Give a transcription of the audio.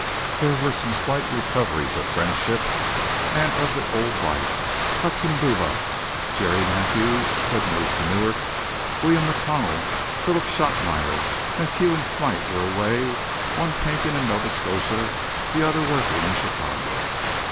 There were some slight recoveries of friendship and of the old life Hudson Dula, Jerry Mathews, who had moved to Newark; William McConnell, Philip Shotmeyer. MacHugh and Smite were away, one painting in Nova Scotia, the other working in Chicago.